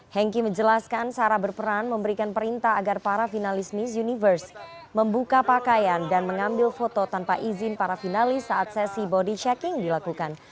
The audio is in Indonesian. hengki menjelaskan sarah berperan memberikan perintah agar para finalis miss universe membuka pakaian dan mengambil foto tanpa izin para finalis saat sesi body checking dilakukan